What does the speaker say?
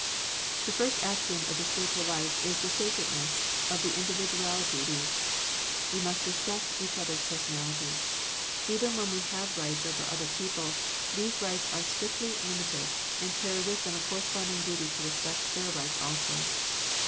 The first axiom of the spiritual life is the sacredness of the in dividuality of each. We must respect each other's personality. Even when we have rights over other people, these rights arc strictly limited, and carry with them a corresponding duty to respect their rights also.